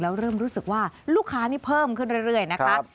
แล้วเริ่มรู้สึกว่าลูกค้านี่เพิ่มขึ้นเรื่อยนะคะ